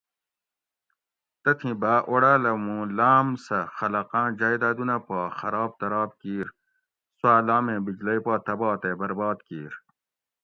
تتھی بھاۤ اوڑاۤلہ موں لاۤم سہ خلقاں جائدادونہ پا خراب تراب کِیر سواۤ لامیں بجلئ پا تباہ تے برباد کِیر